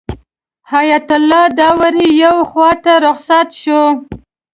حیات الله داوري یوې خواته رخصت شو.